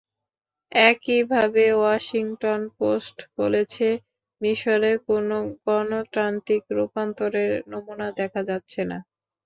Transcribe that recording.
একইভাবে Washington Post বলেছে, মিসরে কোনো গণতান্ত্রিক রূপান্তরের নমুনা দেখা যাচ্ছে না।